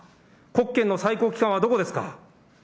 国権の最高機関はどこですか。